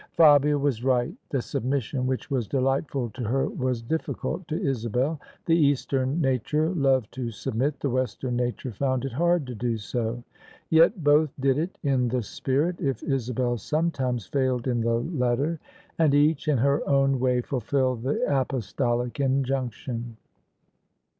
Fabia was right: the submission which was delightful to her was difficult to Isabel. The Eastern nature loved to gubmit: the Western nature found it hard to do so. Yet both did it in the spirit, if Isabel sometimes failed in the letter: and each in her own way fulfilled the apostolic injunction.